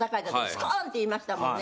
スコーンっていいましたもんね。